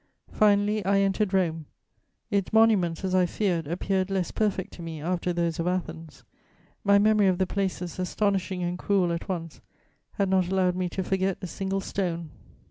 Finally I entered Rome. Its monuments, as I feared, appeared less perfect to me after those of Athens. My memory of the places, astonishing and cruel at once, had not allowed me to forget a single stone....